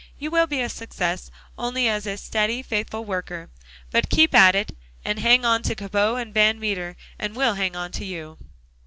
You will be a success only as a steady, faithful worker. But keep at it, and hang on to Cabot & Van Meter, and we'll hang on to you."